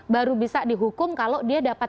baru bisa dihukum kalau dia dapat